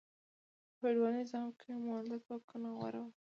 په فیوډالي نظام کې مؤلده ځواکونه غوره وو.